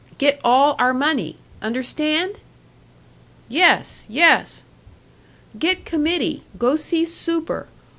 Get all our money. Understand?" "Yes, yes!" "Get committee, go see super!